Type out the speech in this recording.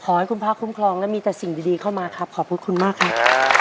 ขอให้คุณพระคุ้มครองและมีแต่สิ่งดีเข้ามาครับขอบคุณคุณมากครับ